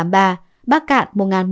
bắc cạn một một trăm một mươi hai